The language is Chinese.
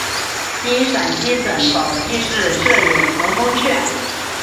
今陕西省宝鸡市设有扶风县。